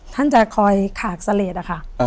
ท่านจะคอยขากเสลดอะค่ะ